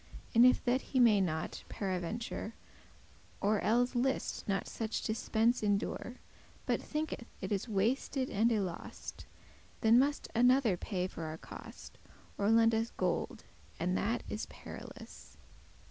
And if that he may not, paraventure, Or elles list not such dispence endure, But thinketh it is wasted and y lost, Then must another paye for our cost, Or lend us gold, and that is perilous.